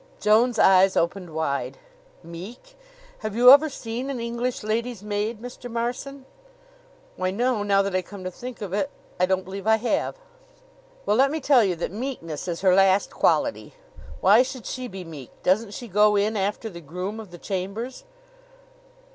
Joan's eyes opened wide. "Meek! Have you ever seen an English lady's maid, Mr. Marson?" "Why, no; now that I come to think of it, I don't believe I have." "Well, let me tell you that meekness is her last quality. Why should she be meek? Doesn't she go in after the groom of the chambers?"